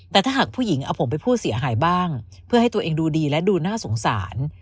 แต่ถ้าหากผู้หญิงเอาผมไปผู้เสียหายบ้างเพื่อให้ตัวเองดูดีและดูน่าสงสาร